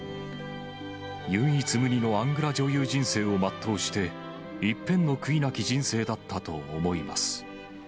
唯一無二のアングラ女優人生を全うして、一片の悔いなき人生だったと思います。